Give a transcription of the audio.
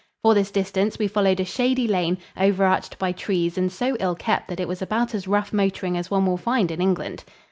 For this distance we followed a shady lane, over arched by trees and so ill kept that it was about as rough motoring as one will find in England.